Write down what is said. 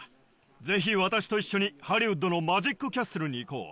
ぜひ私と一緒にハリウッドのマジックキャッスルに行こう。